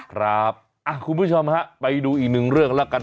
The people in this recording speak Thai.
ครับคุณผู้ชมไฮะไปดูอีกนึงเรื่องกัน